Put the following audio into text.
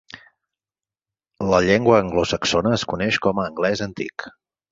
La llengua anglosaxona es coneix com a anglès antic.